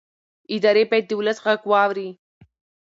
ادارې باید د ولس غږ واوري